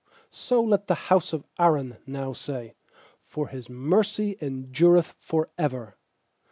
8So let the bouse of Aaron now say, For His mercy endureth for ever.